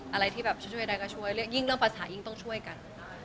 อะไรที่แบบช่วยได้ก็ช่วยยิ่งเรื่องภาษายิ่งต้องช่วยกัน